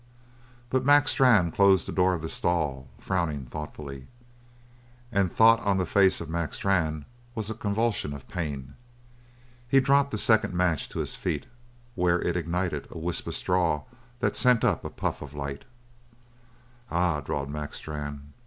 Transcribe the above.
But Mac Strann closed the door of the stall, frowning thoughtfully, and thought on the face of Strann was a convulsion of pain. He dropped the second match to his feet, where it ignited a wisp of straw that sent up a puff of light. "Ah h!" drawled Mac Strann.